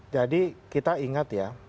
jadi kita ingat ya